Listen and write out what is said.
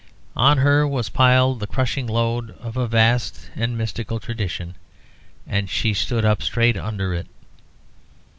On her was piled the crushing load of a vast and mystical tradition, and she stood up straight under it.